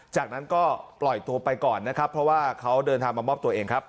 จากนั้นก็ปล่อยตัวไปก่อนนะครับเพราะว่าเขาเดินทางมามอบตัวเองครับ